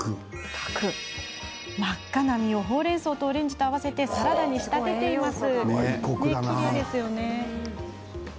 真っ赤な実を、ほうれんそうとオレンジと合わせてサラダに仕立てています。